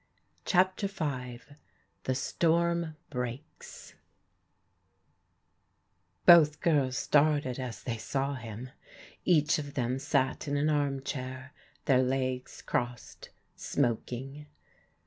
CHAPTER V THE STORM BREAKS BOTH girls started as they saw him. Each of them sat in an armchair, their legs crossed, smoking.